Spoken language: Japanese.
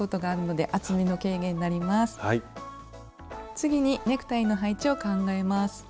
次にネクタイの配置を考えます。